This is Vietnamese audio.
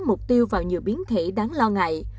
mục tiêu vào nhiều biến thể đáng lo ngại